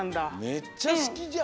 めっちゃすきじゃん。